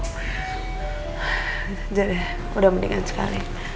udah deh udah mendingan sekali